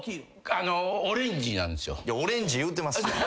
オレンジ言うてますやん。